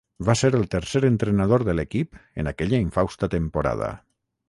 Va ser el tercer entrenador de l'equip en aquella infausta temporada.